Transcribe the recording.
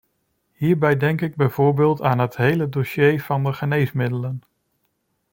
Hierbij denk ik bijvoorbeeld aan het hele dossier van de geneesmiddelen.